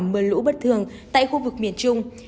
mưa lũ bất thường tại khu vực miền trung